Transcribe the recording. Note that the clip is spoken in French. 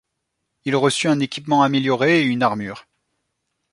Il reçut un équipement amélioré et une armure.